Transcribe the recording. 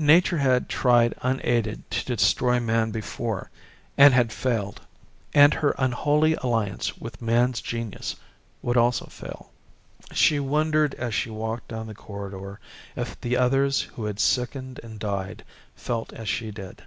Nature had tried unaided to destroy man before and had failed. And her unholy alliance with man's genius would also fail. She wondered as she walked down the corridor if the others who had sickened and died felt as she did.